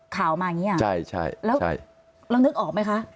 ข่าวมาอย่างนี้อ่ะแล้วนึกออกไหมคะ